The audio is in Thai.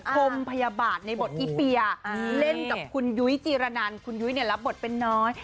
พรมพยาบาทในบทอีเฟียเล่นกับคุณยุ้ยจีรนันคุณยุ้ยรับบทเป็นน้อย